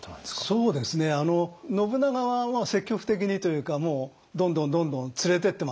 そうですね信長は積極的にというかどんどんどんどん連れてってますね。